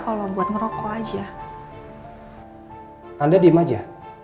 kalau buat ngerokok aja